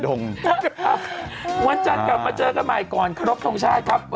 วันจันทร์กลับมาเจอกันใหม่ก่อนครบทรงชาติครับ